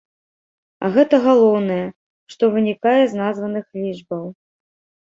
А гэта галоўнае, што вынікае з названых лічбаў.